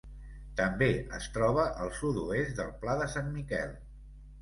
També es troba al sud-oest del Pla de Sant Miquel.